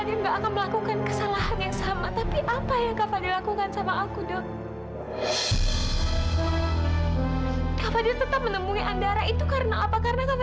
dikasihi dengan sepenuh hati